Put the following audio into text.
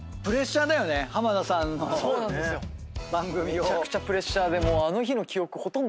めちゃくちゃプレッシャーでもう。